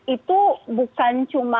itu bukan cuma